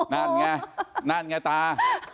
นั่นไงนั่นไงตา